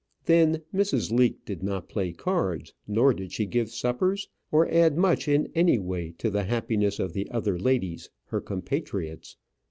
Then Mrs. Leake did not play cards, nor did she give suppers, nor add much in any way to the happiness of the other ladies, her compatriots.